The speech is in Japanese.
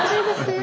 え？